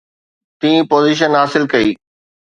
ٽين پوزيشن حاصل ڪئي